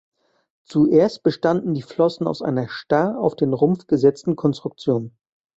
Zuerst bestanden die Flossen aus einer starr auf den Rumpf gesetzten Konstruktion.